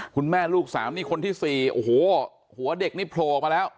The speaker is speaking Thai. ลูกสามนี่คนที่สี่โอ้โหหัวเด็กนี่โผล่ออกมาแล้ว